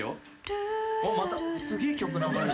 すげえ曲流れる。